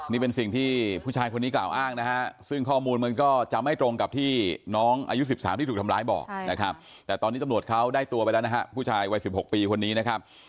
นี่เป็นสิ่งที่ผู้ชายคนนี้กล่าวอ้างนะฮะซึ่งข้อมูลมันก็จะไม่ตรงกับที่น้องอายุ๑๓ที่ถูกทำร้ายบอกนะครับแต่ตอนนี้ตำรวจเขาได้ตัวไปแล้วนะฮะผู้ชายวัย๑๖ปีคนนี้นะครับ